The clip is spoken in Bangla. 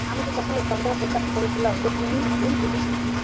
আমি তো তখনই সন্দেহ প্রকাশ করিয়াছিলাম যে তুমি ভুল বুঝিয়াছ।